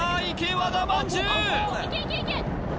和田まんじゅう！